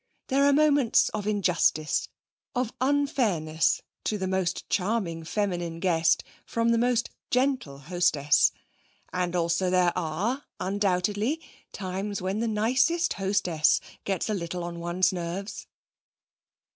There are moments of injustice, of unfairness to the most charming feminine guest, from the most gentle hostess. And also there are, undoubtedly, times when the nicest hostess gets a little on one's nerves.